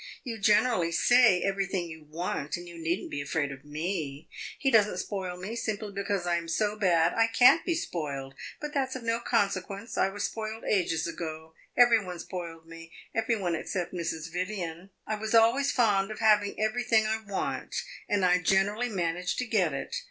You generally say everything you want, and you need n't be afraid of me. He does n't spoil me, simply because I am so bad I can't be spoiled; but that 's of no consequence. I was spoiled ages ago; every one spoiled me every one except Mrs. Vivian. I was always fond of having everything I want, and I generally managed to get it.